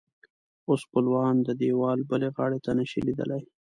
اوس خپلوان د دیوال بلې غاړې ته نه شي لیدلی.